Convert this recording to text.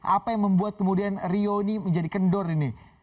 apa yang membuat kemudian rio ini menjadi kendor ini